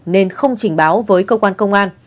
nên không trình báo với cơ quan công an